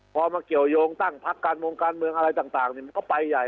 พอมาเกี่ยวยงตั้งพักการเมืองอะไรต่างมันก็ไปใหญ่